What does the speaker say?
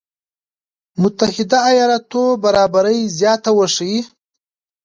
متحده ایالاتو برابري زياته وښيي.